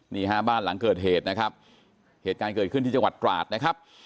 นี่ฮะบ้านหลังเกิดเหตุนะครับเหตุการณ์เกิดขึ้นที่จังหวัดตราดนะครับ